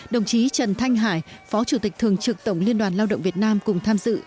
đồng chí trần thanh hải phó chủ tịch thường trực tổng liên đoàn lao động việt nam cùng tham dự